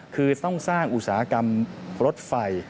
คือต้องสร้างอุตสาหกรรมรถไฟ